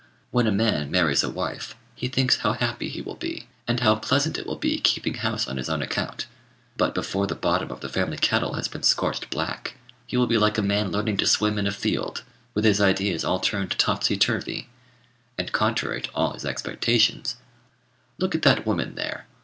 When a man marries a wife, he thinks how happy he will be, and how pleasant it will be keeping house on his own account; but, before the bottom of the family kettle has been scorched black, he will be like a man learning to swim in a field, with his ideas all turned topsy turvy, and, contrary to all his expectations, he will find the pleasures of housekeeping to be all a delusion. Look at that woman there.